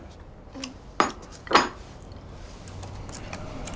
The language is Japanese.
うん。